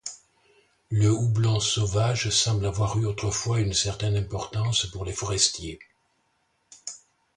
Le houblon sauvage semble avoir eu autrefois une certaine importance pour les forestiers.